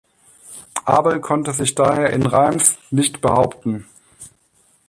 Abel konnte sich daher in Reims nicht behaupten.